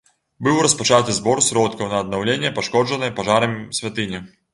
Быў распачаты збор сродкаў на аднаўленне пашкоджанай пажарам святыні.